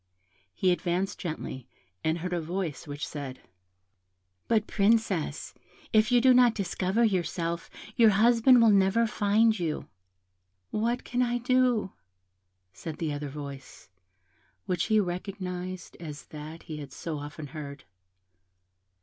He advanced gently, and heard a voice, which said, "But Princess, if you do not discover yourself, your husband will never find you." "What can I do?" said the other voice, which he recognised as that he had so often heard.